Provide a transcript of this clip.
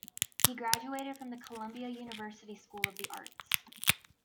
He graduated from the Columbia University School of the Arts.